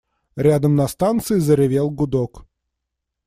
Рядом на станции заревел гудок.